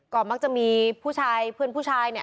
ก็มักจะมีผู้ชายเพื่อนผู้ชายเนี่ย